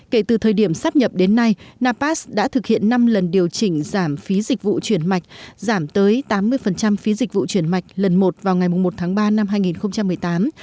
kể từ thời điểm sắp nhập đến nay napas đã thực hiện năm lần điều chỉnh giảm phí dịch vụ chuyển mạch giảm tới tám mươi phí dịch vụ chuyển mạch lần một vào ngày một tháng ba năm hai nghìn một mươi tám